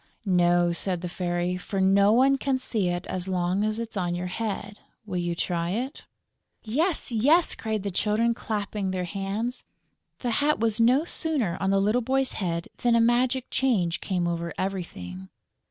"No," said the Fairy, "for no one can see it as long as it's on your head.... Will you try it?" "Yes, yes!" cried the Children, clapping their hands. The hat was no sooner on the little boy's head than a magic change came over everything.